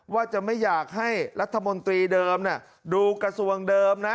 ว่าจะไม่อยากให้รัฐมนตรีเดิมดูกระทรวงเดิมนะ